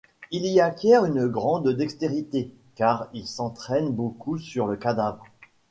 Il y acquiert une grande dextérité, car il s'entraine beaucoup sur le cadavre.